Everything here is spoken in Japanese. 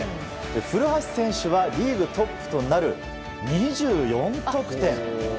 古橋選手はリーグトップとなる２４得点。